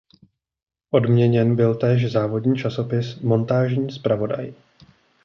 Odměněn byl též závodní časopis „Montážní zpravodaj“.